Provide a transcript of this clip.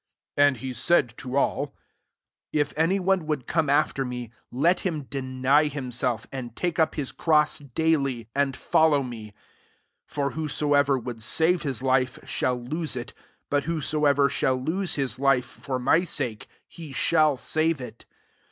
23 And he sud to aU, •'If any one would come after me^ let him deny himself, [and take up his cross [daiiy]'] and follow me. 24 For whosoever would save his life, shall lose it : but whosoever shall lose his Ufe for my sake, he shall save it.